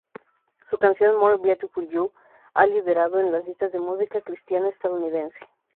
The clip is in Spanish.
Su canción "More Beautiful You" ha liderado en las listas de música cristiana estadounidense.